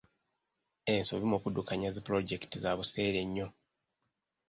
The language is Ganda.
Ensobi mu kuddukanya zi pulojekiti za buseere nnyo.